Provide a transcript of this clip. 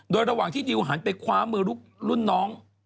โดยระหว่างที่ดิวหันไปคว้ามือรุ่นน้อง